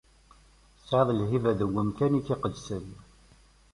Tesɛiḍ lhiba deg umkan-ik iqedsen!